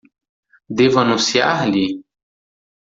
Devo anunciar-lhe?